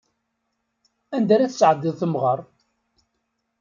Anda ara tesɛeddiḍ temɣeṛ?